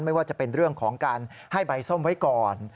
ไม่ว่าจะเป็นเรื่องของการให้ใบส้มไว้ก่อน